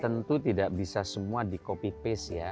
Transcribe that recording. tentu tidak bisa semua di copy paste ya